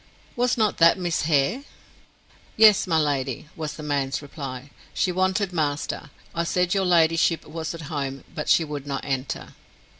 "Was not that Miss Hare?" "Yes, my lady," was the man's reply. "She wanted master. I said your ladyship was at home, but she would not enter."